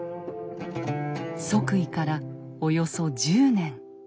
即位からおよそ１０年。